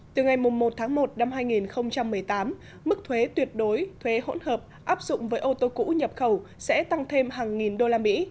từ ngày một tháng một năm hai nghìn một mươi tám mức thuế tuyệt đối thuế hỗn hợp áp dụng với ô tô cũ nhập khẩu sẽ tăng thêm hàng nghìn đô la mỹ